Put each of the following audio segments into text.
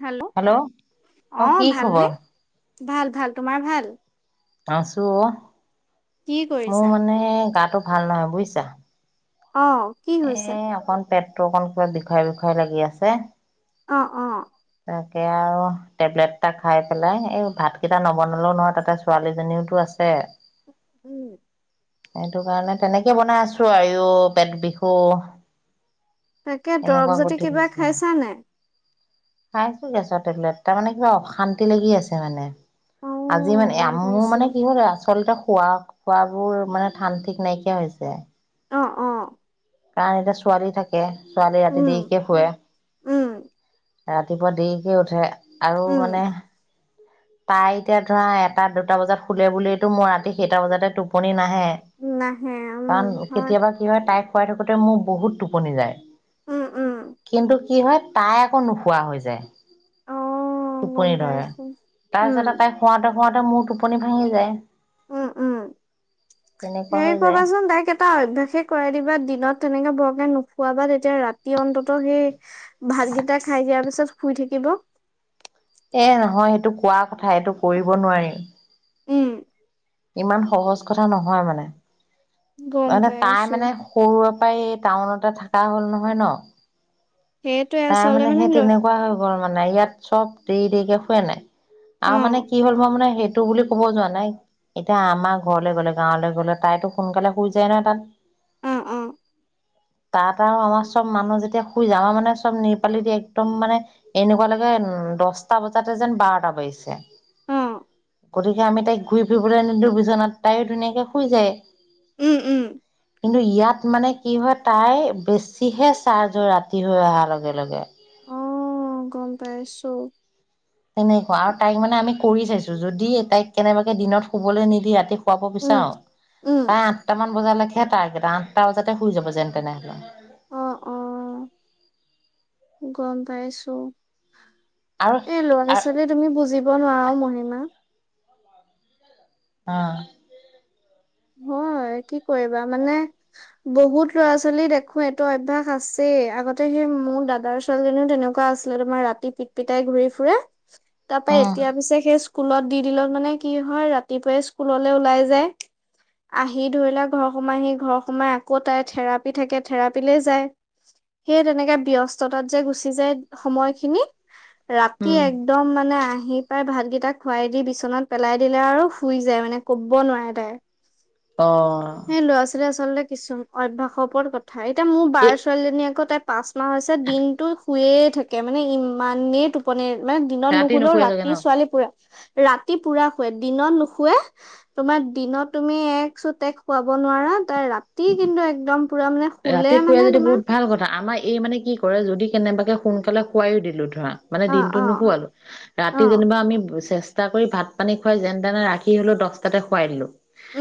Hello, অ অঁ কি ভালনে? খবৰ ভাল ভাল, তোমাৰ ভাল? আছো অঁ', কি মোৰ কৰিছা মানে গাটো ভাল নহয় বুজিছা। অঁ'। কি এ হৈছে অকল পেটটো অকণ কিবা বিষয়া বিষয়া লাগি আছে। অঁ' অঁ। তাকে আৰু টেবলেট এটা খাই পেলাই, এই ভাতকেইটা নবনালও নহয় তাতে- ছোৱালীজনীওতো আছে। উম। সেইটো কাৰণে তেনেকে বনাই আছো আৰু পেত বিষও। তাকে দৰব জাতি কিবা হৈছে খাইছা নাই? খাইছো গেছৰ টেবলেট। তাৰমানে কিবা অশান্তি লাগি আছে মানে। আজি অঁ মানে গম মোৰ পাইছো মানে কি হলে আচলতে খোৱা- খোৱাবোৰ মানে ঠান ঠিক নাইকিয়া হৈছে। অঁ' অঁ, কাৰণ এতিয়া ছোৱালী থাকে, ছোৱালী ৰাতি উম দেৰিকে শুৱে। উম। ৰাতিপুৱা দেৰিকে উঠে। আৰু উম মানে- তাই এতিয়া ধৰা এটা দুটা বজাত শুলে বুলিটো মোৰ ৰাতি সেইটা বজাতে টোপনি নাহে। নাহে উম কাৰণ হয় কেতিয়াবা কি হয় তাইক খোৱাই থাকোতে মোৰ বহুত টোপনি যায়। উম উম কিন্তু কি হয়, তাই আকৌ নোখোৱা হৈ যায়। অঁ গম টোপনি ধৰে, পাইছো উম তাৰপিছতে তাই খুৱাতে খুৱাওঁতে মোৰ টোপনি ভাঙি যায়। উম, উম, তেনেকুৱা হেৰি হৈ যায় কাৰিবাচোন তাইক- এটা অভ্যাসে কৰাই দিবা। দিনত তেনেকে বৰকে নোখোৱাবা তেতিয়া ৰাতি অন্তত সেই- ভাতকেইটা খাই দিয়াৰ পিছত শুই থাকিব। এ নহয় সেইটো কোৱা কথা এইটো কৰিব নোৱাৰি। উম', ইমান সহজ কথা নহয় মানে। গম মানে তাই পাইছো মানে সৰুৰে পৰাই টাউনতে থকা হ'ল নহয় ন? সেইটোৱে তাৰ আচলতে মানে সেই ল তেনেকুৱা হয়- গ'ল মানে। ইয়াত চব দেৰি দেৰিকে শুৱে নাই? অ আৰু মানে কি হ'ল মানে সেই- টো বুলি ক'ব যোৱা নাই। এতিয়া আমাৰ ঘৰলৈ গ'লে গাঁৱলৈ গ'লে তাইতো সোনকালে শুই যায় নহয় তাত। অ অ তাত আৰু আমাৰ- চব মানুহ যেতিয়া শুই যাওঁ, আমাৰ মানে চব ৰ্নিপালি দি একদম মানে- এনেকুৱা লাগে উম দচটা বজাতে যেন বাৰটা বাজিছে। অ গতিকে আমি তাইক ঘূৰি ফুৰিবলৈ নিদিওঁ বিছনাত তাইও ধুনীয়াকে শুই যায়। উম', উম' কিন্তু ইয়াত মানে কি হয় তাই বেছিহে চাৰ্জ হয় ৰাতি হৈ অহাৰ লগে লগে। অঁ', গম পাইছোঁ। তেনেকুৱা। আৰু তাইক মানে আমি কৰি চাইছো, যদি তাইক কেনেবাকে দিনত শুবলৈ নিদিয়া- শুৱাব উম বিচাৰো, উম প্ৰায় আঠটা মান বজালৈকে হে টাৰ্গেট আঠটা বজাতে শুই যাব যেন তেনে হ'লেও। অঁ', অঁ' গম পাইছোঁ। আৰু এই অ ল'ৰা-ছোৱালী তুমি বুজিব নোৱাৰা অ মহিমা। অঁ হয়, কি কৰিবা? মানে, বহুত ল'ৰা-ছোৱালী দেখো এইটো অভ্যাস আছেই, আগতে সেই মোৰ দাদাৰ- ছোৱালীজনীও তেনেকুৱা আছিলে। তোমাৰ ৰাতি পিটপিটাই ঘূৰি ফুৰে। [inaudible] তাৰপৰা এতিয়া পিছে সেই স্কুলত দি দিলেও মানে কি হয় ৰাতিপুৱাই স্কুললৈ ওলাই যায়। আহি ধৰিলোৱা ঘৰ সোমাইহি ঘৰ সোমাই আকৌ তাইৰ থেৰাপি থাকে থেৰাপীলৈ যায়। সেই তেনেকে ব্যস্ততাত যে গুচি যায় সময়খিনি। ৰাতি উম। এক- দম মানে আহি পাই ভাতকেইটা খুৱাই দি বিচনাত পেলাই দিলে আৰু শুই যায় মানে ক'ব নোৱাৰে তাই। অঁ' এ, ল'ৰা-ছোৱালী আচলতে কিছু অভ্যাসৰ ওপৰত কথা। এতিয়া মোৰ এই বাৰ ছোৱালীজনী আকৌ তাই- পাঁচ মাহ হৈছে দিনটো শুয়ে থাকে মানে ইমানেই টোপ- পনি। মানে দিনত ৰাতি নুশুলেও নুশুৱে চাগে ৰাতি ন? ছোৱালী পুৰা- ৰাতি পুৰা শুৱে। দিনত নুশুৱে তোমাৰ দিনত- তুমি এক চোতে শুৱাব নোৱাৰা। তাৰ ৰাতি কিন্তু একদম পুৰা মানে- শুলে ৰাতি শুৱে মানে যদি তোমাৰ বহুত ভাল কথা। আমাৰ এই মানে কি কৰে যদি কেনেবাকে সোনকালে- শুৱাইও দিলোঁ ধৰা, মানে অ অ দিনটোত নোশুৱালো অ ৰাতি যেনিবা আমি চে- ষ্টা কৰি ভাত পানী খুৱাই যেন তেনে ৰাখি হ'লেও দচটাতে শুৱাই দিলোঁ।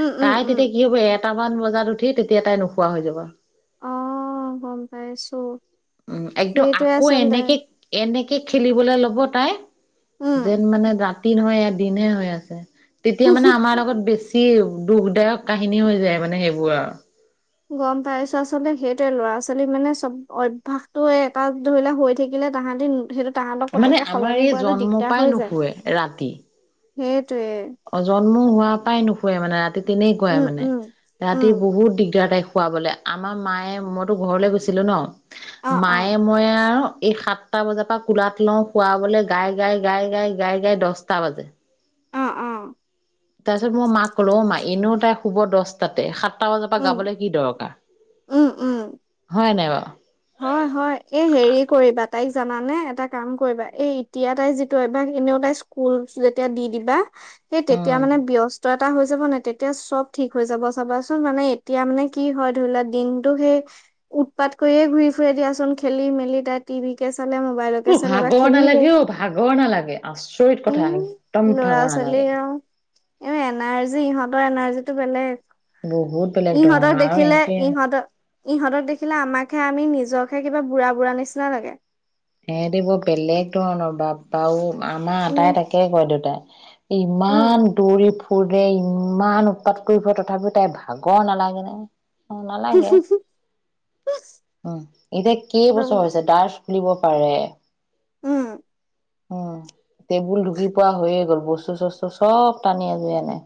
উম', উম' তাই উম তেতিয়া কি হ'ব এটামান বজাত উঠি তেতিয়া তাই নোশুৱা হৈ যাব। অ গম পাইছোঁ। উম' একদম আকৌ এনেকে- এনেকে, খেলিবলে ল'ব তাই, উম যেন মানে- ৰাতি নহয় এইয়া দিন হে হৈয় আছে। তেতিয়া মানে আমাৰ লগত বেছ- ছি দুখদায়ক কাহিনী হৈ যায় মানে সেইবোৰ আৰু। গম পাইছোঁ, আচলতে সেইটোৱে ল'ৰা-ছোৱালী মানে চব অভ্যয়াসটো এটা ধৰিলা হৈ থাকি- লে তাহাঁতি নুঠিলে তাহাঁতক মানে পতককে আমাৰ সলনি এই কৰাটো জন্ম দিগদাৰ পাই হৈ যায়। নুশুৱে ৰাতি সেইটোৱে। অ' জন্ম হোৱা পৰাই নুশুৱে মানে ৰাতি উম তেনেকুৱাই মানে। উম ৰাতি উম বহুত দিগদাৰ তাইক শুৱাবলে। আমাৰ মায়ে, মইতো ঘৰলে গৈছিলো ন। অ অ মায়ে মই আৰু, এই সাত- টা বজাৰ পৰা কোলাত লওঁ শুৱাবলৈ গাই, গাই, গাই, গাই, গাই, গাই দচটা বাজে। উম, উম। তাৰপিছত মই মাক ক'লো অ মা এনেও তাই শুব দহটাতে সাতটা বজাৰ পৰা উম গাবলৈ কি দৰকাৰ। উম উম হয় নাই বাৰু? হয় হয় এই হেৰি কৰিবা তাইক জানানে এটা কাম কৰিবা। এই এতিয়া তাই যিটো অভ্যাস এনেও তাই- কুলচ যেতিয়া দি দিবা, সেই তেতিয়া উম। মানে ব্যস্ত- টা হৈ যাব নাই তেতিয়া চব ঠিক হৈ যাব চাবাচোন মানে এতিয়া মানে কি হয় ধৰি লোৱা দিনটো সেই উৎপাত কৰিয়ে ঘূৰি ফুৰে দিয়াচোন, খেলি - মেলি তাত টিভিকে চালে মোবাইলত উ ভাগৰ নালাগে অ ভাগৰ নালাগে আচৰিত এই কথা, একদম ভাগৰ নালাগে। এমে এনাৰ্জী, ইহঁতৰ এনাৰ্জীটো বহুত বেলেগ বেলেগ। ইহঁতক ধৰণৰ আৰু দেখিলে ইহঁতে ইহঁত ইহঁতক দেখিলে আমাকহে আমি নিজকহে কিবা বুঢ়া বুঢ়া নিচিনা লাগে। এহেতি বহুত বেলেগ ধৰণৰ বাপা ঔ, আমাৰ উম আটাই তাকে কয় দেউতাই। উম ইমান দৌৰি ফুৰে, ইমান উৎপাত কৰি ফুৰে তথাপিও তাইৰ ভাগৰ নালাগে নে? অ নালাগে, উম এতিয়া কেইবছৰ উম হৈছে তাৰ ফুৰিব পাৰে? উম। উম টেবুল ঢুকি পোৱা হৈয়ে গ'ল, বস্তু - চস্তু চব টানি আজোৰি আনে।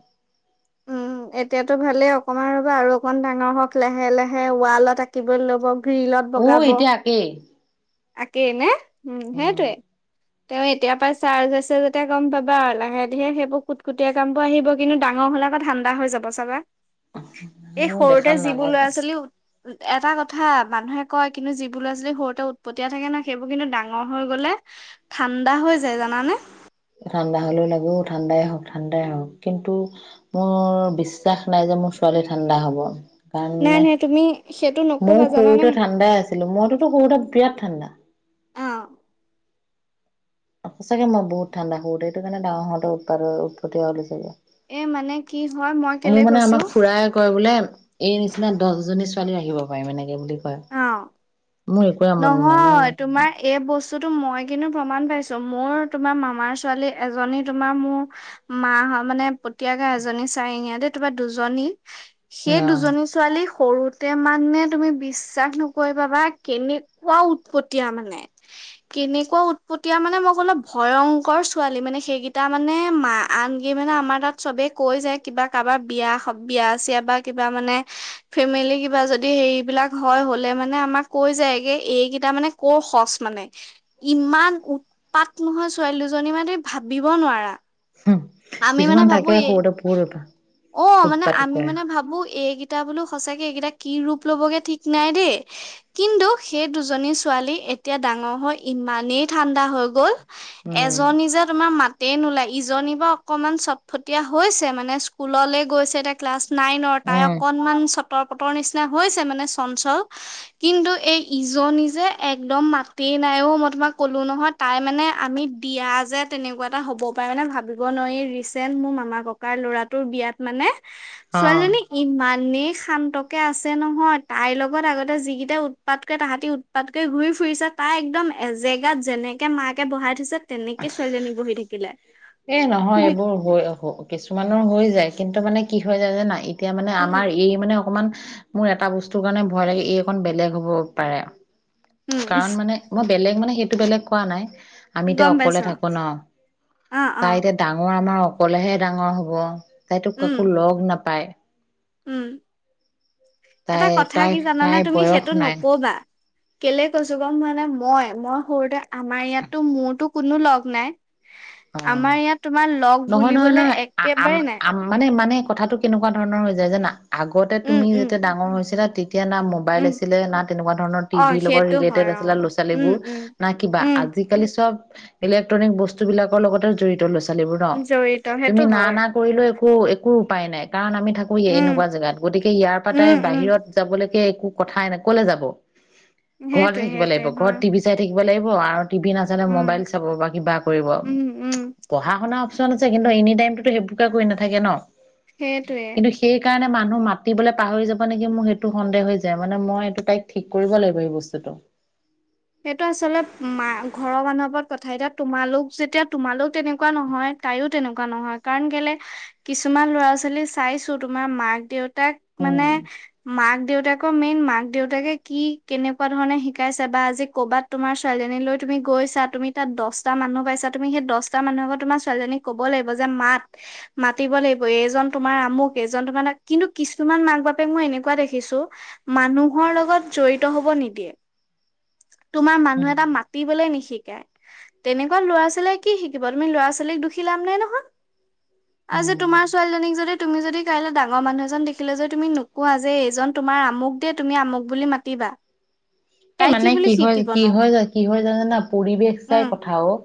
উম এতিয়াতো ভালেই অকমান ৰবা আৰু অকন ডাঙৰ হওক লাহে - লাহে ৱালত আঁকিব ল'ব। গ্ৰীলত উ বগাব এতিয়া আকেই। আকেই নে? উম সেইটোৱে। তেওঁ এতিয়া পৰাই চাৰ্জ হৈছে যেতিয়া গম পাবা, লাহে - ধীৰে সেইবোৰ কুটকুটীয়া কামবোৰ আহিব। কিন্তু ডাঙৰ হ'লে আকৌ ঠাণ্ডা হৈ যাব চাবা, এই মোৰ সৰুতে দেখাত যিবোৰ ল'ৰা নালাগে - ছোৱালী উৎ উ এটা কথা মানুহে কয় কিন্তু যি বোলে ল'ৰা ছোৱালী সৰুতে উৎ পতিয়া থাকে না সেইবোৰ কিন্তু ডাঙৰ হৈ গলে ঠাণ্ডা হৈ যায় জানানে? ঠাণ্ডা হ'লেও লাগেও ঠাণ্ডাই হওক ঠাণ্ডাই হওক কিন্তু মোৰ বিশ্বাস নাই যে মোৰ ছোৱালী ঠাণ্ডা হ'ব। নাই কাৰণে, নাই তুমি সেইটো মোৰ নকবা জানানে সৰুতে ঠাণ্ডাই আছিলো মইতোতো সৰুতে বিৰাট ঠাণ্ডা। অ অ সঁচাকে মই বহুত ঠাণ্ডা সৰুতে সেইটো কাৰণে ডাঙৰ হওঁতে উৎপাত উৎপতিয়া হলো ছাগে। এ মানে কি হয় মই কেলে কৈছো? আমাক খুৰাই কয় বোলে এই নিচিনা দছজনী ছোৱালী ৰাখিব পাৰিম এনেকে বুলি। কয়, অ মোৰ একোৱে আমনি নাই মই নহয় ইমান ঠাণ্ডা। তোমাৰ এই বস্তুটো মই কিন্তু প্ৰমাণ পাইছো, মোৰ তোমাৰ মামাৰ ছোৱালী এজনী তোমাৰ মোৰ মা হয় মানে পতিয়াকে এজনী চাৰিঙীয়া দে তোমাৰ দুজনী সেই দুজনী ছোৱালী সৰুতে মানে তুমি বিচ শ্বাস নকৰিবা বা কেনেকুৱা উৎপতিয়া মানে। কেনেকুৱা উৎপতিয়া মানে মই ক'লো ভয়ংকৰ ছোৱালী মানে সেইকেইটা মানে মা আনকি মানে আমাৰ তাত চবেই কৈ যায় কিবা কাৰোবাৰ বিয়া হ বিয়া চিয়া বা কিবা মানে ফেমিলি কিবা যদি সেইবিলাক হয় হলে মানে আমাক কৈ যায়গে এইকেইটা মানে কৰ সচ মানে। ইমান উৎপাত নহয় ছোৱালী দুজনী মানে তুমি ভাবিব নোৱাৰা। অ আমি মানে কিছুমান থাকে ভাবোয়ে, সৰুতে বহুত উৎপাত অ মানে উৎপাত আমি কৰে। মানে ভাবো এই কি টা বোলো সঁচাকে এইকেইটা কি ৰূপ ল'বগে ঠিক নাই দেই। কিন্তু সেই দুজনী ছোৱালী এতিয়া ডাঙৰ হৈ ইমানেই ঠাণ্ডা হৈ গল উম এজনী যে তোমাৰ মাত তেই নোলাই ইজনী বা অকনমান চটফটীয়া হৈছে মানে স্কুললে গৈছে তাক ক্লাছ নাইনৰ, তাই উম অকণমান চটৰ - পটৰ নিচিনা হৈছে মানে চঞ্চল কিন্তু এই ইজনী যে একদম মাতে নাইও মই তোমাক ক'লো নহয় তাই মানে আমি দিয়া যে তেনেকুৱা এটা হ'ব পাৰে মানে ভাবিব নোৱাৰি ৰিচেণ্ট মোৰ মামাকক কাৰ ল'ৰাটোৰ বিয়াত মানে অ। ছোৱালীজনী ইমানেই শান্তকে আছে নহয় তাইৰ লগত আগতে যিকেইটা উৎপাতকে তাহাঁতি উৎপাতকে ঘূৰি ফুৰিছে, তাই একদম এজেগাত যেনে কে মাকে বহাই থৈছে তেনেকেই ছোৱালীজনী বহি থাকিলে। এ নহয় তুমি এইবোৰ হৈ কিছুমানৰ হৈ যায় কিন্তু মানে কি হৈ যায় নাযানা- এতিয়া মানে উম আমাৰ এই মানে অকমান- মোৰ এটা বস্তুৰ কাৰণে ভয় লাগে, এই অকণ বেলেগ হ'ব পাৰে। উম কাৰণ মানে- মই বেলেগ মানে সেইটো বেলেগ কোৱা নাই। আমি গম এতিয়া পাইছ অকলে থাকো ন'। অ অ তাই এতিয়া ডাঙৰ আমাৰ অকলেহে ডাঙৰ হব তাইতো উম কাকো লগ নাপায়। উম, তাই এটা কথা তাই কি জানানে তাই তুমি বয়স সেইটো নাই নকবা। কেলে কৈছোঁ। গম পোৱানে মই মই সৰুতে আমাৰ ইয়াতো মোৰতো কোনো লগ নাই। অ আমাৰ ইয়াত তোমাৰ লগ নহয় নহয় বুলিবলে নহয় আম একেবাৰে নাই। আম মানে মানে, কথাটো কেনেকুৱা ধৰণৰ হৈ যায় যানা? আগতে উম তুমি উম যেতিয়া ডাঙৰ হৈছিলা তেতিয়া না- ম'বাইল উম আছিলে না তেনেকুৱা ধৰণৰ টি অ ভিৰ লগত সেইটো ৰেলেটেড হয় অ আছিলে ল'ৰা উম ছোৱালীবোৰ উম না কিবা। উম আজি- কালি চ'ব ইলেট্ৰনিক বস্তু বিলাকৰ লগতে জড়িত ল'ৰা ছোৱালীবোৰ ন। জড়িত তুমি সেইটো না হয় না- কৰিলেও একো একো উপায় নাই। কাৰণ আমি থাকো উম এনেকুৱা জেগাত, গতিকে ইয়াৰ পৰাই তাই উম উম বাহিৰত- যাব লৈকে একো কথাই নাই। কলৈ যাব? ঘৰতে সেইটোৱে থাকিব সেইটোৱে লাগিব, ঘৰত হয় টিভি- চাই থাকিব লাগিব আৰু টিভি নাচালে উম ম'বাইল চাব বা কিবা কৰিব। উম উম। পঢ়া শুনা অপচন আছে কিন্তু এনি টাইমতো সেইবোৰকে কৰি নাথাকে ন'। সেইটোৱে। সেইকাৰণে মানুহ মাতিবলৈ পাহৰি যাব নেকি মোৰ সেইটো সন্দেহ হৈ যায় মানে মই এইটো তাইক ঠিক কৰিব লাগিব এই বস্তুটো। সেইটো আচলত মা ঘৰৰ মানুহৰ ওপৰত কথা। এতিয়া তোমালোক যেতিয়া তোমালোক তেনেকুৱা নহয়, তাইয়ো তেনেকুৱা নহয়। কাৰণ কেলে কিছুমান ল'ৰা ছোৱালী চাইছো তোমাৰ মাক দেউ- তাক উম মানে মাক দেউতা- কো মেইন মাক দেউতাকে কি কেনেকুৱা ধৰণে শিকাইছে বা আজি- ক'ৰবাত তোমাৰ ছোৱালীজনীলৈ তুমি গৈছা, তুমি তাত দহটা মানুহ পাইছা তুমি সেই দহটা মানুহৰ আগত তোমাৰ ছোৱালীজনীক- ক'ব লাগিব যে মাত। মাতিব লাগিব। এইজন তোমাৰ আমুক এজন তোমাৰ, কিন্তু কিছুমান মাক বাপেক মই এনেকুৱা দেখিছোঁ- মানুহৰ লগত জড়িত হব নিদিয়ে। তোমাৰ মানুহ উম এটা মাতিবলে নিশিকায়। তেনেকুৱা ল'ৰা ছোৱালীয়ে কি শিকিব তুমি ল'ৰা ছোৱালীক দুখী লাভ নাই নহয়। আজি উম তোমাৰ ছোৱালীজনীক যদি- তুমি যদি কাইলৈ ডাঙৰ মানুহ এজন দেখিলে যে তুমি নোকোৱা যে এইজন তোমাৰ আমুক দে তুমি আমুক বুলি মাতিবা। এ, তাই মানে বুলি কি হয় শিকিব কি নো হৈ য কি হৈ জান জানা পৰিৱেশ চাই উম কথা অও।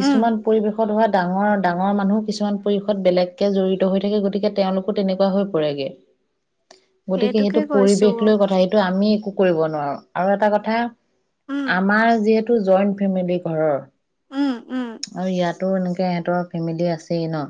উম পৰিৱেশত হোৱা ডাঙৰ ডাঙৰ মানুহ কিছুমান পৰিৱেশত বেলেগকে জড়িত হৈ থাকে গতিকে তেওঁলোক- তেনেকুৱা হৈ পৰেগে। গতিকে সেইটোকে সেইটো কৈছো পৰিৱেশ লৈ কথা সেইটো আমি একো কৰিব নোৱাৰোঁ। আৰু এটা উম কথা- আমাৰ যিহেতু জইণ্ট ফেমিলি ঘৰৰ। উম' উম। আৰু ইয়াতো এনেকে ইহঁতৰ ফেমিলি আছেই ন।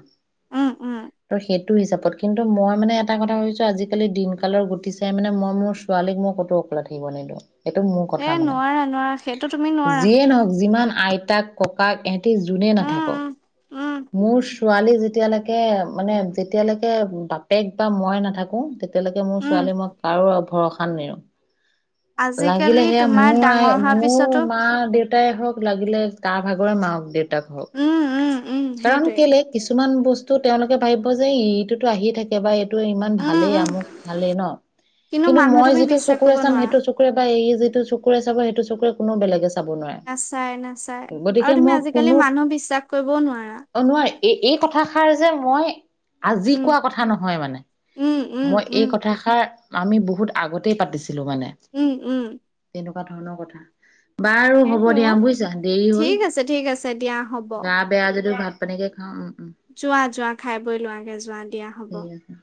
উম উম ত' সেই- টো হিচাপত। কিন্তু মই মানে এটা কথা ভাবছোঁ আজিকালি দিনকালৰ গটি চাই মানে মই ছোৱালীক মোৰ ক'তো- থাকিব নিদু। এইেইটো মোৰ এ কথা মানে। নোৱাৰা নোৱাৰা সেইটো তুমি নোৱাৰা যিয়ে নহওক যিমান আইতাক ককাক- হেতি যোনেই উম নাথাকক। উম উম' মোৰ ছোৱালী যেতিয়ালৈকে মানে যেতিয়ালৈকে বাপেক বা মই নাথাকোঁ- এতিয়ালৈকে মোৰ উম ছোৱালী মই কাৰো আৰু ভৰসা নেৰোঁ। আজিকালি লাগিলে সেয়া তোমাৰ মোৰ ডাঙৰ আই, হোৱাৰ পিছতো মোৰ মা, দেউ তাই হওক লাগিলে কাৰ ভাগৰে মাক - দেউতাক হওক উম উম। কাৰণ সেইটোৱে কেলে কিছুমান বস্তু তেওঁলোকে ভাবিব যে ইটোতো আহিয়ে থাকে বা এইটো ইমান উম ভালেই উম আমু ভালেই ন' কিন্তু মানুহ মই তুমি যিটো বিশ্বাস চকুৰে কৰিব চাম নোৱাৰা সেইটো চক কুৰে বা এই যিটো চকুৰে চাব সেইটো চকুৰে কোনো বেলেগে চাব নোৱাৰে। নাচায় নাচায় আৰু গতিকে তুমি মই কোনো আজিকালি মানুহ বিশ্বাস কৰিবও নোৱাৰা। অ' নোৱাৰে, এই এই কথাষাৰ যে মই আজি উম, কোৱা কথা নহয় মানে, উম, উম, মই উম, এই কথাষাৰ আমি বহুত আগতেই পাতিছিলোঁ মানে। উম উম। তেনেকুৱা ধৰণৰ কথা। বাৰু হ'ব সেইটোৱে দিয়া অ'। বুজিছা দেৰি হ'ল, ঠিক আছে, ঠিক আছে দিয়া হ'ব। গা বেয়া যদিও ভাত পানীকে খাওঁ উম উম। যোৱা যোৱা খাই বৈ লোৱাগে যোৱা দিয়া হ'ব। ঠিক আছে।